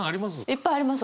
いっぱいあります。